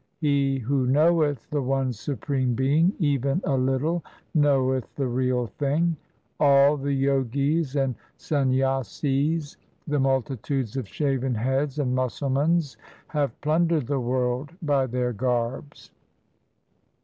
He who knoweth the one Supreme Being even a little, Knoweth the Real Thing. All the Jogis and Sanyasis, The multitudes of Shaven heads and Musalmans, Have plundered the world by their garbs.